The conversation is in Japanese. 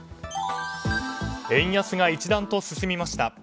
円安が一段と進みました。